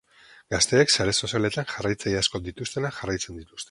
Gazteek sare sozialetan jarrailtzaile asko dituztenak jarraitzen dituzte.